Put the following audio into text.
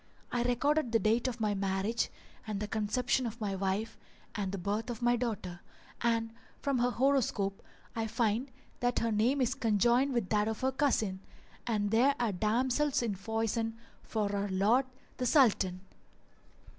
I recorded the date of my marriage and the conception of my wife and the birth of my daughter; and from her horoscope I find that her name is conjoined with that of her cousin; [FN#401] and there are damsels in foison for our lord the Sultan.'